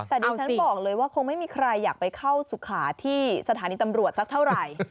แต่ดิฉันบอกเลยว่าคงไม่มีใครอยากไปเข้าสุขาที่สถานีตำรวจสักเท่าไหร่